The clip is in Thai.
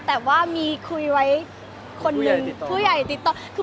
แต่ว่ามีคุยไว้คนหนึ่ง